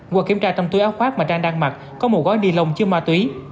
qua kiểm tra trong túi áo khoác mà trang đang mặt có một gói ni lông chứa ma túy